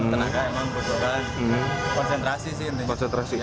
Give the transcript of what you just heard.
tenaga emang butuhkan konsentrasi sih konsentrasi